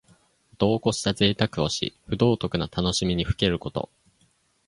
度をこしたぜいたくをし、不道徳な楽しみにふけること。